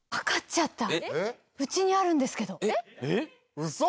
ウソ！